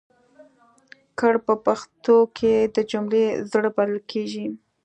کړ په پښتو کې د جملې زړه بلل کېږي.